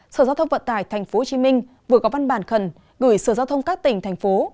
sở giao thông vận tải tp hcm vừa có văn bản khẩn gửi sở giao thông các tỉnh thành phố